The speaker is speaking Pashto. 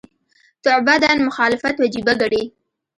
تعبداً مخالفت وجیبه ګڼي.